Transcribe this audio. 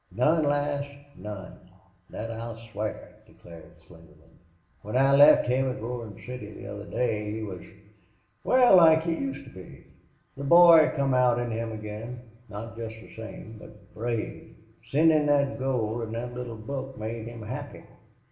"None, lass, none! Thet I'll swear," declared Slingerland. "When I left him at Roarin' City the other day he was wal, like he used to be. The boy come out in him again, not jest the same, but brave. Sendin' thet gold an' thet little book made him happy....